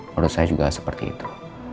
menurut saya juga seperti itu